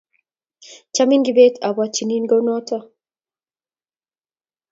"Chamin kibet?"abwatyini konoto